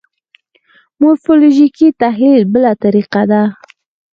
مورفولوژیکي تحلیل بله طریقه ده.